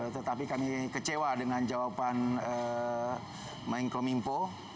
tetapi kami kecewa dengan jawaban mainko mimpo